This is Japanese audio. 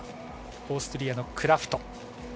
オーストリアのクラフト。